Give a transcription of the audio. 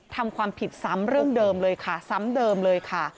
ทำความผิดซ้ำเรื่องเดิมเลยค่ะซ้ำเดิมเลยค่ะ